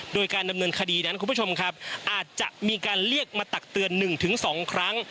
โดยการดำเนินคดีนั้นคุณผู้ชมครับอาจจะมีการเรียกมาตักเตือน๑๒ครั้ง